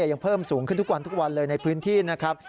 ยังเพิ่มสูงขึ้นทุกวันทุกวันเลยในพื้นที่นะครับ